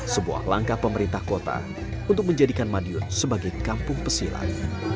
sebuah langkah pemerintah kota untuk menjadikan madiun sebagai kampung pesilat